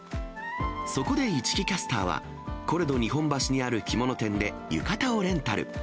そこで市來キャスターは、コレド日本橋にある着物店で、浴衣をレンタル。